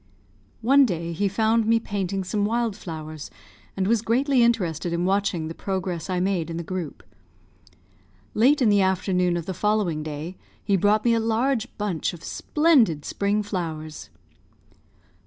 One day he found me painting some wild flowers, and was greatly interested in watching the progress I made in the group. Late in the afternoon of the following day he brought me a large bunch of splendid spring flowers.